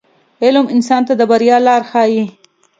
• علم انسان ته د بریا لار ښیي.